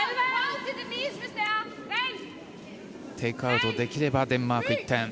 テイクアウトできればデンマーク、１点。